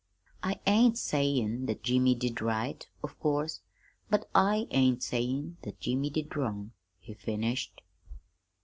"I ain't sayin' that Jimmy did right, of course; but I ain't sayin' that Jimmy did wrong," he finished.